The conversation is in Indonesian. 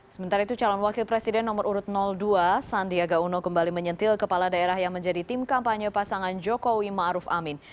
sementara itu calon wakil presiden nomor urut dua sandiaga uno kembali menyentil kepala daerah yang menjadi tim kampanye pasangan jokowi ⁇ maruf ⁇ amin